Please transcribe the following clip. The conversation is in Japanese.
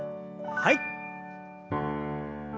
はい。